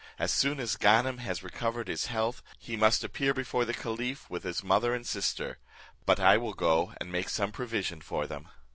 As soon as Ganem has recovered his health, he must appear before the caliph, with his mother and sister; but I will go and make some provision for them."